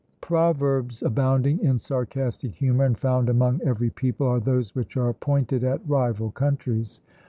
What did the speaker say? Proverbs abounding in sarcastic humour, and found among every people, are those which are pointed at rival countries.